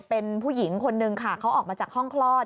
เป็นผู้หญิงคนนึงค่ะเขาออกมาจากห้องคลอด